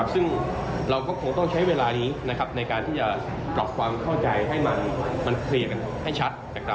ซึ่งเราก็คงต้องใช้เวลานี้ในการที่จะปรับความเข้าใจให้มันเคลียร์กันให้ชัด